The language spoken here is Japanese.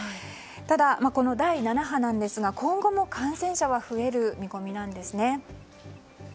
ただ第７波ですが今後も感染者は増える見込みなんですね。